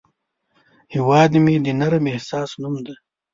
هیواد مې د نرم احساس نوم دی